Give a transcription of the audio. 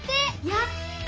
やった！